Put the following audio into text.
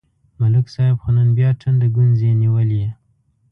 ملک صاحب خو نن بیا ټنډه گونځې نیولې